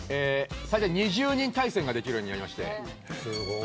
最大２０人対戦ができるようになりました。